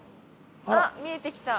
◆あっ、見えてきた。